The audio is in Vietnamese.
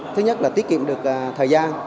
thế nhất là tiết kiệm được thời gian